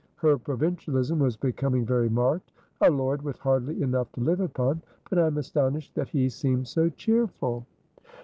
Her provincialism was becoming very marked. "A lord with hardly enough to live upon! But I'm astonished that he seems so cheerful."